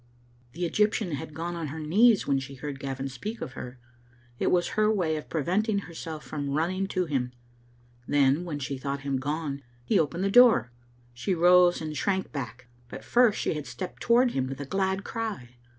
The Egyptian had gone on her knees when she heard Gavin speak of her. It was her way of preventing her self from running to him. Then, when she thought him gone, he opened the door. She rose and shrank back, but first she had stepped toward him with a glad cry.